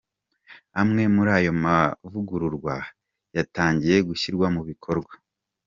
Amwe muri ayo mavugurwa yatangiye gushyirwa mu bikorwa.